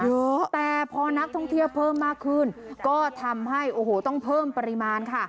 เยอะแต่พอนักท่องเที่ยวเพิ่มมากขึ้นก็ทำให้โอ้โหต้องเพิ่มปริมาณค่ะ